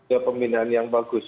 dan pembinaan yang bagus